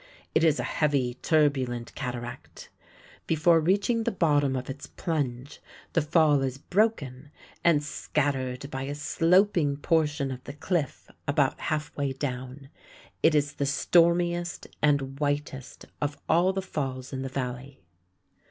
It is a heavy, turbulent cataract. Before reaching the bottom of its plunge the fall is broken and scattered by a sloping portion of the cliff about half way down. It is the stormiest and whitest of all the falls in the Valley.